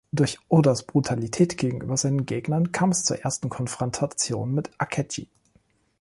Durch Odas Brutalität gegenüber seinen Gegnern kam es zur ersten Konfrontation mit Akechi.